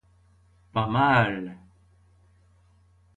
Pas mal.